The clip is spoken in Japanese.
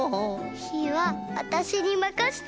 ひはわたしにまかせて！